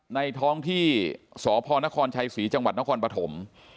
ท้องที่สพนครชัยศรีจังหวัดนครปฐม